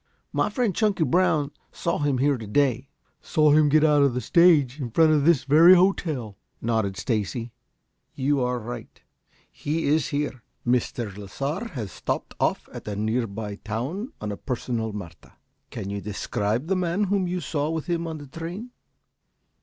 "My friend Chunky Brown saw him here to day." "Saw him get out of the stage in front of this very hotel," nodded Stacy. "You are right. He is here. Mr. Lasar had stopped off at a near by town on a personal matter. Can you describe the man whom you saw with him on the train?"